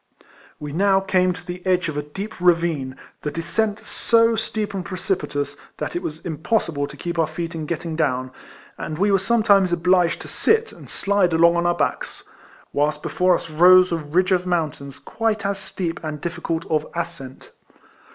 We now came to the edge of a deep ravine, the descent so steep and precipitous, that it was impossible to keep our feet in get ting down, and we were sometimes obliged to sit, and slide along on our backs ; whilst 180 RECOLLECTIONS OF before us rose a ridge of mountains quite as steep and difficult of ascent.